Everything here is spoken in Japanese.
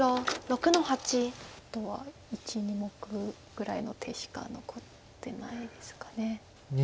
あとは１目ぐらいの手しか残ってないですか。